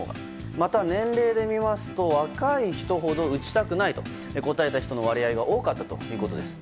また年齢で見ますと、若い人ほど打ちたくないと答えた人の割合が多かったということです。